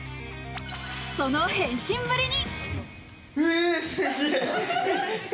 その変身ぶりに。